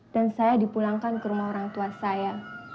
dan saya dipulangkan ke rumah orang tua saya